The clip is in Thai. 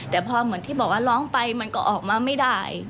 แต่พอเหมือนที่บอกว่าร้องไปมันก็ออกมาไม่ได้